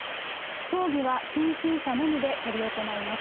葬儀は近親者のみで執り行います。